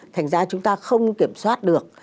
thành ra chúng ta không kiểm soát được